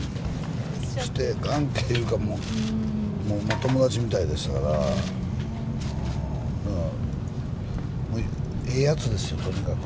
師弟関係というか、もう友達みたいでしたから、ええやつですよ、とにかく。